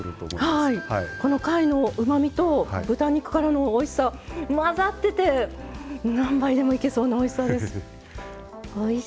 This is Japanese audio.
この貝のうまみと豚肉からのおいしさ混ざってて何杯でもいけそうなおいしさです。